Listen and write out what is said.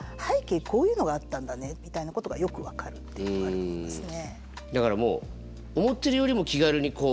こういうのがあったんだねみたいなことがよく分かるっていうのがありますね。